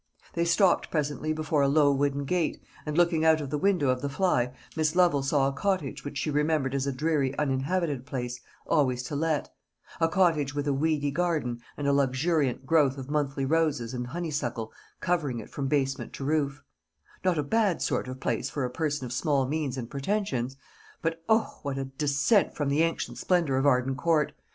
They stopped presently before a low wooden gate, and looking out of the window of the fly, Miss Lovel saw a cottage which she remembered as a dreary uninhabited place, always to let; a cottage with a weedy garden, and a luxuriant growth of monthly roses and honeysuckle covering it from basement to roof; not a bad sort of place for a person of small means and pretensions, but O, what a descent from the ancient splendour of Arden Court!